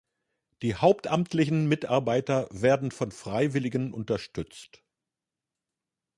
Die hauptamtlichen Mitarbeiter werden von Freiwilligen unterstützt.